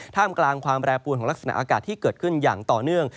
ท่ามกลางความแปรปวนของลักษณะอากาศที่เกิดขึ้นอย่างต่อเนื่อง